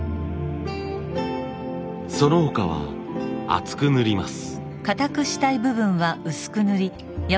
その他は厚く塗ります。